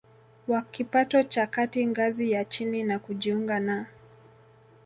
wa kipato cha kati ngazi ya chini na kujiunga na